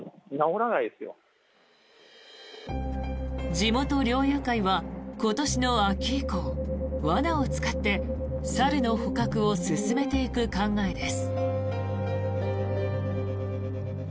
地元猟友会は今年の秋以降罠を使って猿の捕獲を進めていく考えです。